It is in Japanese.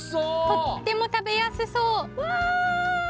とっても食べやすそう！